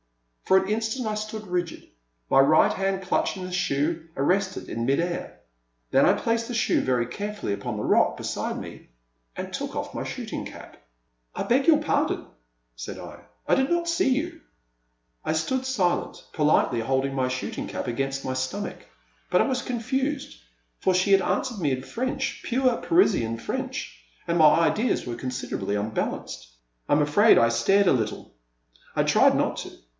For an instant I stood rigid, my right hand clutching the shoe, arrested in mid air. Then I placed the shoe very carefully upon the rock be side me and took oflF my shooting cap. 94 2T6^ Silent Land, I beg your pardon," said I, I did not see you.'* I stood silent, politely holding my shooting cap against my stomach. But I was confused, for she had answered me in French, pure Parisian French, and my ideas were considerably unbalanced. I am afraid I stared a little. I tried not to.